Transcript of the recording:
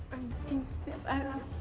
pancing siap siap hari lagi